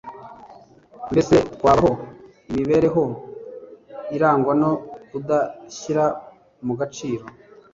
mbese twabaho imibereho irangwa no kudashyira mu gaciro